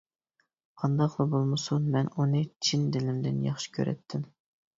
قانداقلا بولمىسۇن مەن ئۇنى چىن دىلىمدىن ياخشى كۈرەتتىم.